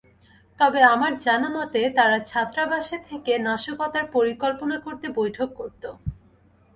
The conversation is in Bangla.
তবে আমার জানা মতে, তাঁরা ছাত্রাবাসে থেকে নাশকতার পরিকল্পনা করতে বৈঠক করত।